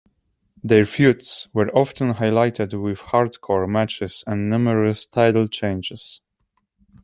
Their feuds were often highlighted with hardcore matches and numerous title changes.